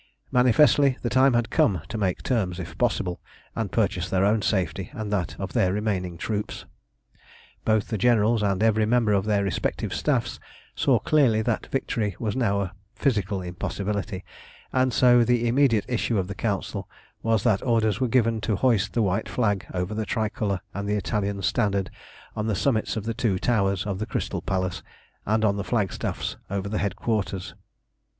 Manifestly the time had come to make terms if possible, and purchase their own safety and that of their remaining troops. Both the generals and every member of their respective staffs saw clearly that victory was now a physical impossibility, and so the immediate issue of the council was that orders were given to hoist the white flag over the tricolour and the Italian standard on the summits of the two towers of the Crystal Palace, and on the flagstaffs over the headquarters.